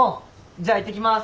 じゃあいってきます。